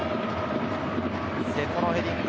瀬古のヘディング。